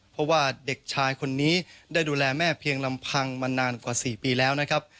เพราะว่าเด็กชายคนนี้ได้ดูแลแม่เพียงลำพังมานานกว่า๔ปีแล้วนะครับ